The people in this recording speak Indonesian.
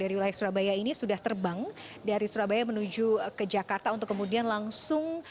dari wilayah surabaya ini sudah terbang dari surabaya menuju ke jakarta untuk kemudian langsung